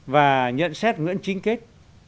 và nhận xét nguyễn chính kết